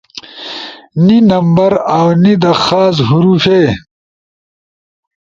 نی نمبر اؤ نی دا خاص حروفے